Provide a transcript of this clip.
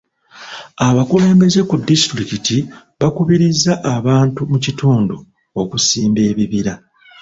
Abakulembeze ku disitulikiti bakubirizza abantu mu kitundu okusimba ebibira.